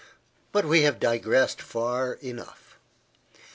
But we have digressed far enough.